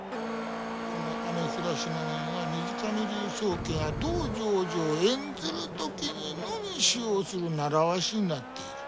この雨降らしの面は水上流宗家が『道成寺』を演ずるときにのみ使用する習わしになっている。